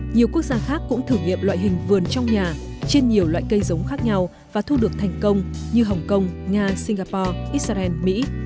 nhiều quốc gia khác cũng thử nghiệm loại hình vườn trong nhà trên nhiều loại cây giống khác nhau và thu được thành công như hồng kông nga singapore israel mỹ